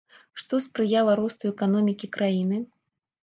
Што спрыяла росту эканомікі краіны?